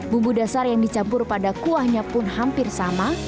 bumbu dasar yang dicampur pada kuahnya pun hampir sama